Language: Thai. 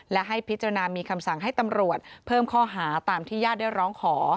และให้พิจารณามีคำสั่งให้ตำรวจเพิ่มข้อหาตามที่ญาติได้ร้องขอ